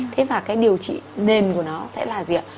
thế và cái điều trị nền của nó sẽ là gì ạ